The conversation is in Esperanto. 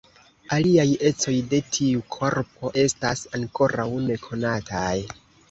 Aliaj ecoj de tiu korpo estas ankoraŭ nekonataj.